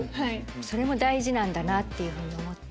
それも大事なんだなっていうふうに思って。